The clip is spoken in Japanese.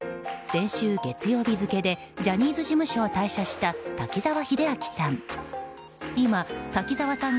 先週、月曜日付でジャニーズ事務所を退社した滝沢秀明さん。